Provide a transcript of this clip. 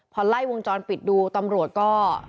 พอไล่วงจรปิดดูตำรวจก็